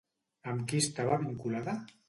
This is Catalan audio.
Amb qui estava vinculada?